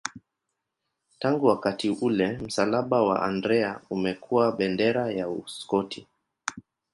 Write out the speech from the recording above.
Tangu wakati ule msalaba wa Andrea umekuwa bendera ya Uskoti.